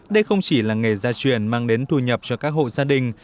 đây không chỉ là nghề gia truyền mang đến thu nhập cho các hộ gia đình